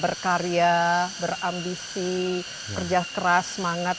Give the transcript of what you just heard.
berkarya berambisi kerja keras semangat